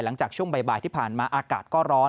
หลังจากช่วงบ่ายที่ผ่านมาอากาศก็ร้อน